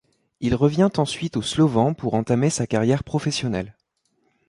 Il revient ensuite au Slovan pour entamer sa carrière professionnelle.